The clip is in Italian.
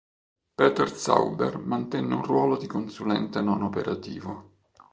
Peter Sauber mantenne un ruolo di consulente non operativo.